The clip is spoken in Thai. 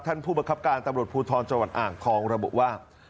ผู้บังคับการตำรวจภูทรจังหวัดอ่างทองระบุว่า